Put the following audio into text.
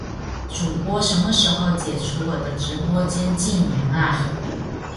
主播什么时候解除我的直播间禁言啊